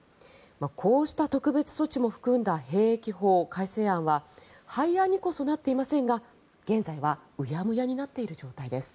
こうした特別措置も含んだ兵役法改正案は廃案にこそなっていませんが現在はうやむやになっている状態です。